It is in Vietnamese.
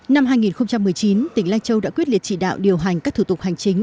năm hai nghìn một mươi chín tỉnh lai châu đã quyết liệt chỉ đạo điều hành các thủ tục hành chính